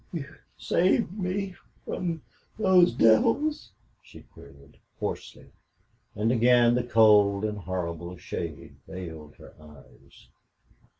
"You saved me from from those devils?" she queried, hoarsely, and again the cold and horrible shade veiled her eyes.